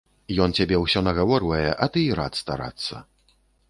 Ён цябе ўсё нагаворвае, а ты і рад старацца.